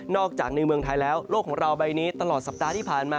จากในเมืองไทยแล้วโลกของเราใบนี้ตลอดสัปดาห์ที่ผ่านมา